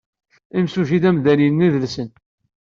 Imsujji d amdan yennedelsen.